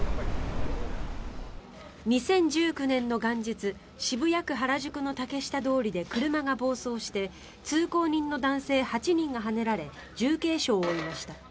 ２０１９年の元日渋谷区原宿の竹下通りで車が暴走して通行人の男性８人がはねられ重軽傷を負いました。